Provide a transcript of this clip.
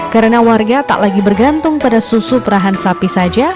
karena warga tak lagi bergantung pada susu perahan sapi saja